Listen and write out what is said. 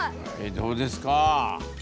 どうですか？